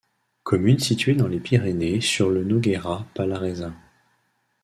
Commune située dans les Pyrénées sur le Noguera Pallaresa.